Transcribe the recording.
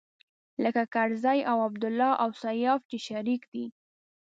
لکه کرزی او عبدالله او سياف چې شريک دی.